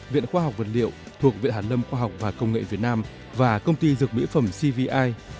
viện khoa học vật liệu thuộc viện hàn lâm khoa học và công nghệ việt nam và công ty dược mỹ phẩm cvi